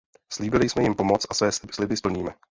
Slíbili jsme jim pomoc a své sliby plníme.